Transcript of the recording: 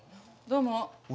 どうも。